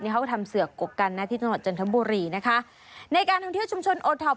เนี่ยเขาก็ทำเสือกกกันนะที่ตลอดจันทบุรีนะคะในการทางเที่ยวชุมชนโอทอป